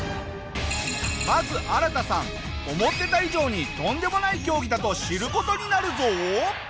まずアラタさん思ってた以上にとんでもない競技だと知る事になるぞ！